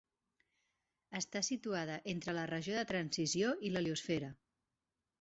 Està situada entre la regió de transició i l'heliosfera.